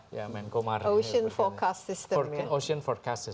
tidak tunggu flashlight saja ya ya audio inkluer buta